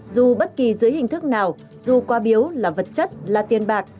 dù bất kỳ dưới hình thức nào dù qua biếu là vật chất là tiền bạc